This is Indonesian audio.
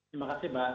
terima kasih mbak